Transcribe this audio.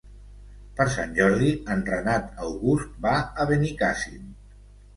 Per Sant Jordi en Renat August va a Benicàssim.